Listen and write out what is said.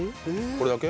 これだけ？